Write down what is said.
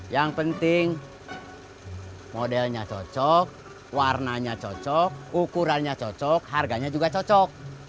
yang penting modelnya cocok warnanya cocok ukurannya cocok harganya juga cocok